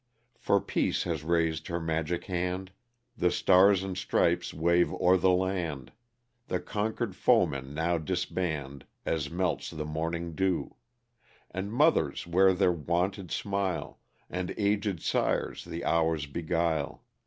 For Peace has raised her magic hand, The Stars and Stripes wave o'er the land, The conquered foemen now disband, '* As melts the morning dew ;" And mothers wear their wonted smile, And aged sires the hours beguile.